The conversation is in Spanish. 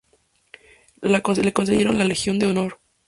Le concedieron la Legión de honor.